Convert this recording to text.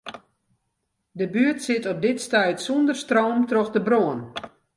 De buert sit op dit stuit sûnder stroom troch de brân.